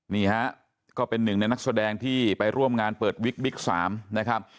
นี่ฮะก็เป็นหนึ่งในนักแสดงที่ไปร่วมงานเปิดวิกบิ๊ก๓นะครับ